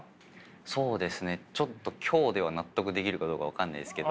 そうですねちょっと今日では納得できるかどうか分かんないですけど。